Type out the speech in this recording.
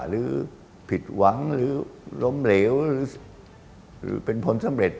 หรือผิดหวังหรือล้มเหลวหรือเป็นผลสำเร็จ